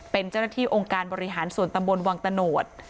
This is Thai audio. เป็นเจ้าหน้าที่องค์การบริหารส่วนตำบลวังตะโนธ